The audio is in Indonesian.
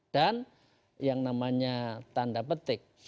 dan yang namanya tanda petik